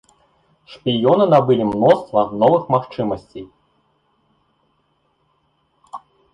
Шпіёны набылі мноства новых магчымасцей.